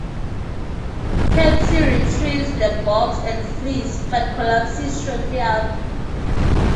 Kirsty retrieves the box and flees, but collapses shortly thereafter.